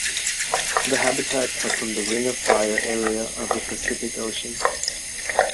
The habitats are from the Ring of Fire area of the Pacific Ocean.